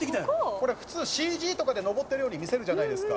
「普通ＣＧとかで登ってるように見せるじゃないですか」